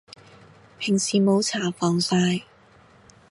平時冇搽防曬